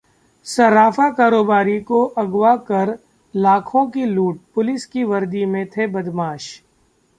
सर्राफा कारोबारी को अगवा कर लाखों की लूट, पुलिस की वर्दी में थे बदमाश